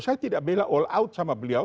saya tidak bela all out sama beliau